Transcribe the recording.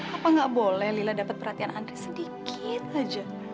apa gak boleh lila dapet perhatian andri sedikit aja